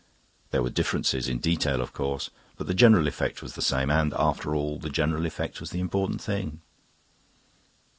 There were differences in detail, of course; but the general effect was the same; and, after all, the general effect was the important thing.